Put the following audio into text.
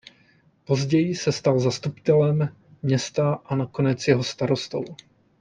Později se stal zastupitelem města a nakonec jeho starostou.